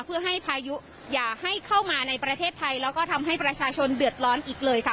เพื่อให้พายุอย่าให้เข้ามาในประเทศไทยแล้วก็ทำให้ประชาชนเดือดร้อนอีกเลยค่ะ